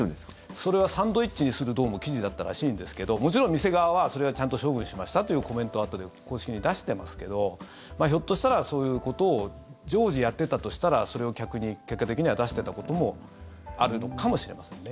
それはサンドイッチにする生地だったらしいんですけどもちろん店側はそれはちゃんと処分しましたというコメントをあとで公式に出してますけどひょっとしたらそういうことを常時やってたとしたらそれを客に結果的には出してたこともあるのかもしれませんね。